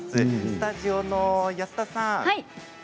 スタジオの安田さん。